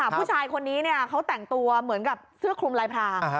ผู้ชายคนนี้เขาแต่งตัวเหมือนกับเสื้อคลุมลายพราง